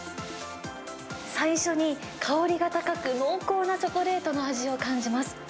最初に香りが高く、濃厚なチョコレートの味を感じます。